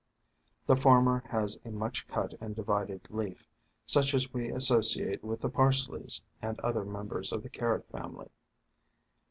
The former has a much cut and divided leaf, such as we associate with the Parsleys and other members of the Carrot Family.